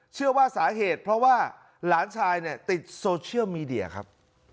เชื่อว่าสาเหตุเพราะว่าหลานชายเนี่ยติดโซเชียลมีเดียครับ